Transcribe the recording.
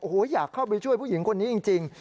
โอ้โหอยากเข้าไปช่วยผู้หญิงคนนี้จริง